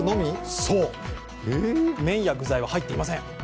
麺や具材は入っていません。